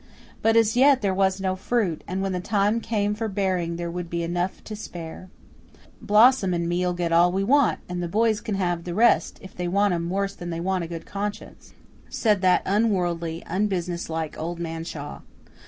But as yet there was no fruit, and when the time came for bearing there would be enough and to spare. "Blossom and me'll get all we want, and the boys can have the rest, if they want 'em worse'n they want a good conscience," said that unworldly, unbusinesslike Old Man Shaw.